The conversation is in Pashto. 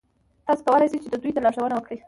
تاسې کولای شئ چې دوی ته لارښوونه وکړئ.